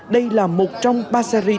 đây là một trong ba series